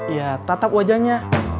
ya tatap wajahnya